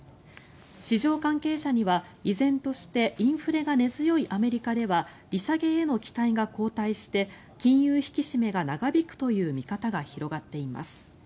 市場関係者には依然としてインフレが根強いアメリカでは利下げへの期待が後退して金融引き締めが長引くという見方が広がっています。